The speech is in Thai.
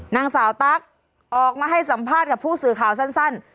นางสาวตั๊กออกมาให้สัมภาษณ์กับผู้สื่อข่าวสั้น